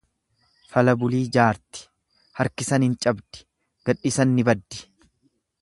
Fala bulii jaarti, harkisan hin cabdi gadhisan ni baddi.